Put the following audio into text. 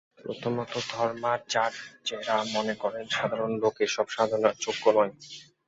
প্রথমত ধর্মাচার্যেরা মনে করেন যে, সাধারণ লোক এ-সব সাধনার যোগ্য নয়।